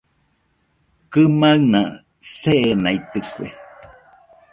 Kɨmaɨna seenaitɨkue